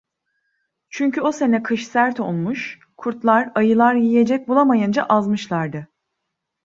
Çünkü o sene kış sert olmuş, kurtlar, ayılar yiyecek bulamayınca azmışlardı.